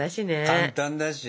簡単だし。